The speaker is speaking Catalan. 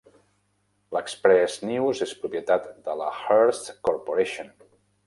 L'"Express-News" és propietat de la Hearst Corporation.